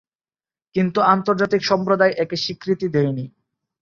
কিন্তু আন্তর্জাতিক সম্প্রদায় একে স্বীকৃতি দেয়নি।